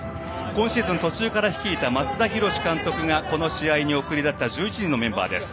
今シーズン、途中から率いた松田浩監督がこの試合に送り出した１１人のメンバーです。